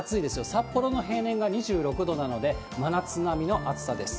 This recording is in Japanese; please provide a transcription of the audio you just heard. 札幌の平年が２６度なので、真夏並みの暑さです。